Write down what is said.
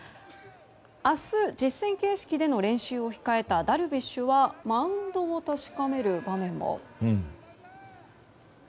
明日、実戦形式での練習を控えたダルビッシュはマウンドを確かめる場面も。